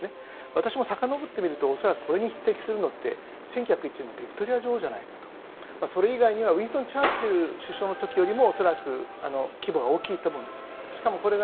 私もさかのぼってみると恐らくこれに匹敵するのって１９０１年のヴィクトリア女王じゃないかそれ以外にはウィストン・チャーチルの時よりも規模が大きいと思うんです。